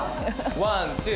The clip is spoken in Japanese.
ワン・ツー！